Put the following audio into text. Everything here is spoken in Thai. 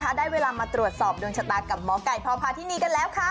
ได้เวลามาตรวจสอบดวงชะตากับหมอไก่พพาธินีกันแล้วค่ะ